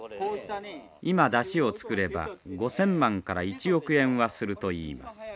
今山車を作れば５，０００万から１億円はするといいます。